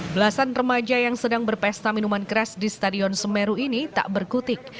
belasan remaja yang sedang berpesta minuman keras di stadion semeru ini tak berkutik